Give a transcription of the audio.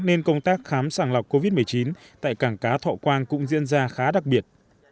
nên công tác khám sàng lọc covid một mươi chín tại cảng cá thọ quang cũng diễn ra khá đặc biệt